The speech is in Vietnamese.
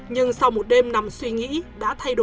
nhưng sau một đêm nằm suy nghĩ đã thay đổi